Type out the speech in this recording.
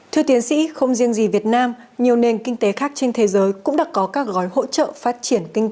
thưa tiến sĩ không riêng gì việt nam nhiều nền kinh tế khác trên thế giới cũng đã có các gói hỗ trợ phát triển kinh tế